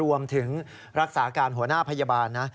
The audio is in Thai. รวมถึงรักษาการหัวหน้าพยาบาลนะ